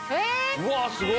・うわすごい！